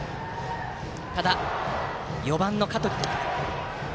ただ、４番の香取です。